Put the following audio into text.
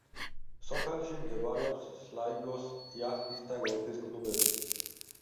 სოფელში მდებარეობს სლაიგოს იახტის და გოლფის კლუბები.